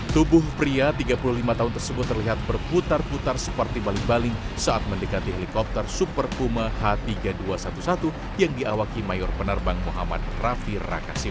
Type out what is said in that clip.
tubuh pria tiga puluh lima tahun tersebut terlihat berputar putar seperti baling baling saat mendekati helikopter super puma h tiga ribu dua ratus sebelas yang diawaki mayor penerbang muhammad rafi rakasi